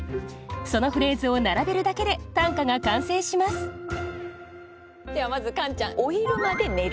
そのフレーズを並べるだけで短歌が完成しますではまずカンちゃん。